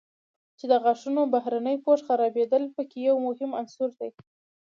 چې د غاښونو بهرني پوښ خرابېدل په کې یو مهم عنصر دی.